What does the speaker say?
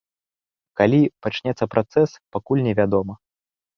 Калі пачнецца працэс, пакуль невядома.